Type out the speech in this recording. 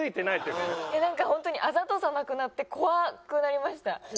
いやなんか本当にあざとさなくなって怖くなりました。